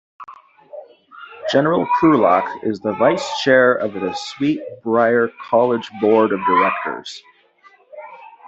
General Krulak is the Vice Chair of the Sweet Briar College Board of Directors.